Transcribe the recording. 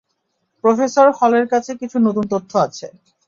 Professor হলের কাছে কিছু নতুন তথ্য আছে!